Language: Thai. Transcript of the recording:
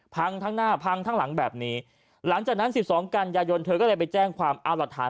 พังทั้งหน้าพังทั้งหลังแบบนี้หลังจากนั้นสิบสองกันยายนเธอก็เลยไปแจ้งความเอาหลักฐาน